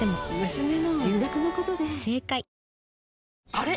あれ？